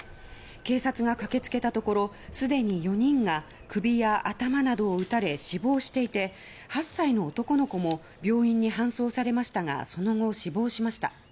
警察が駆け付けたところすでに４人が首や頭などを撃たれ死亡していて８歳の男の子も病院に搬送されましたがその後、死亡しました。